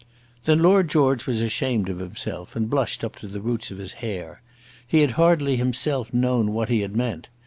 Then Lord George was ashamed of himself, and blushed up to the roots of his hair. He had hardly himself known what he had meant.